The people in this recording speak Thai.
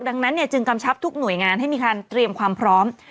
ดังนั้นจึงกำชับทุกหน่วยงานให้มีการเตรียมความพร้อม